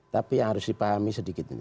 tapi yang harus dipahami sedikit ini